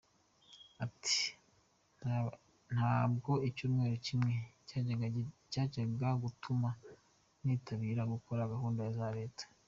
Ati “Ntabwo icyumweru kimwe cyajyaga gutuma ntitabira gukora gahunda za Leta.